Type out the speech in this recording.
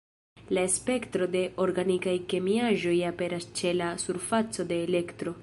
La spektro de organikaj kemiaĵoj aperas ĉe la surfaco de Elektro.